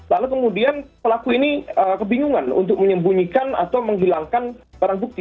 lalu kemudian pelaku ini kebingungan untuk menyembunyikan atau menghilangkan barang bukti